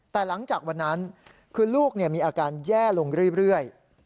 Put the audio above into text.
แต่หลังจากวันนั้นคือลูกมีอาการแย่ลงเรื่อย